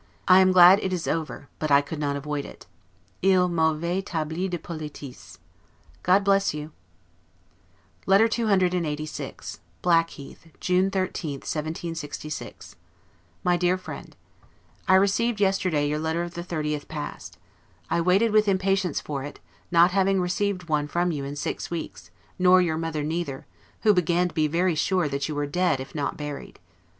I glad it is over; but I could not avoid it. 'Il m'avait tabli de politesses'. God bless you! LETTER CCLXXXVI BLACKHEATH, June 13, 1766. MY DEAR FRIEND: I received yesterday your letter of the 30th past. I waited with impatience for it, not having received one from you in six weeks; nor your mother neither, who began to be very sure that you were dead, if not buried.